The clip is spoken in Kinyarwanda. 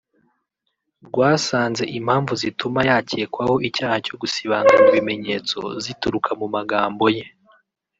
rwasanze impamvu zituma yakekwaho icyaha cyo gusibanganya ibimenyetso zituruka mu magambo ye